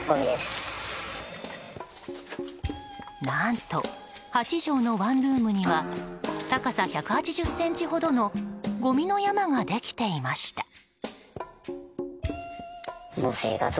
何と、８畳のワンルームには高さ１８０ｃｍほどのごみの山ができていました。